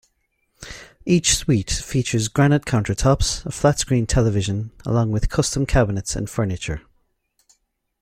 Each suite features granite countertops, a flat-screen television, along with custom cabinets and furniture.